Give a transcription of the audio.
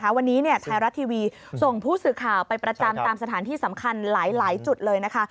วันนี้ไทยรัฐทีวีส่งผู้สื่อข่าวไปประจำตามสถานที่สำคัญหลายจุดเลยนะคะ